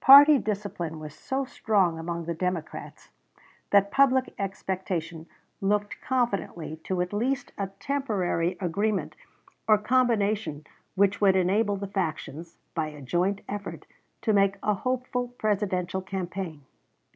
Party discipline was so strong among the Democrats that public expectation looked confidently to at least a temporary agreement or combination which would enable the factions, by a joint effort, to make a hopeful Presidential campaign.